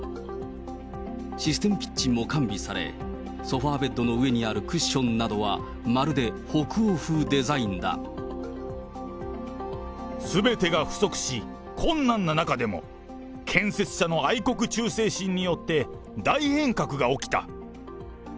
システムキッチンも完備され、ソファーベッドの上にあるクッションなどはまるで北欧風デザインすべてが不足し、困難な中でも、建設者の愛国忠誠心によって大変革が起きた。